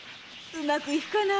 うまくいくかな。